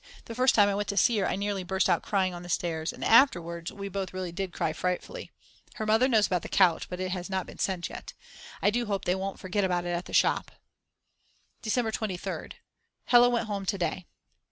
The first time I went to see her I nearly burst out crying on the stairs. And afterwards we both really did cry frightfully. Her mother knows about the couch, but it has not been sent yet. I do hope they won't forget about it at the shop. December 23rd. Hella went home to day.